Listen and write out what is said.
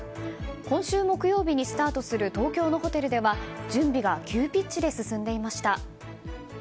今週木曜日にスタートする東京のホテルでは準備が急ピッチで進んでいました。